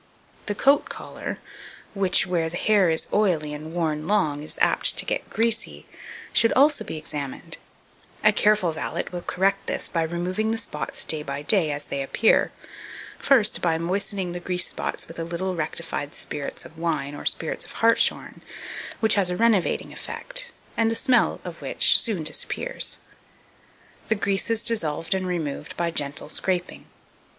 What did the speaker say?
The coat collar, which where the hair is oily and worn long, is apt to get greasy should also be examined; a careful valet will correct this by removing the spots day by day as they appear, first by moistening the grease spots with a little rectified spirits of wine or spirits of hartshorn, which has a renovating effect, and the smell of which soon disappears. The grease is dissolved and removed by gentle scraping.